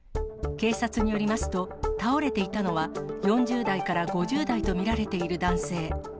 警察によりますと、倒れていたのは、４０代から５０代と見られている男性。